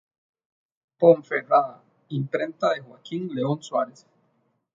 Ponferrada: Imprenta de Joaquín León Suárez.